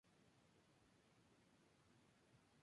Aporta temas propios a la banda y es coproductor de ambos discos.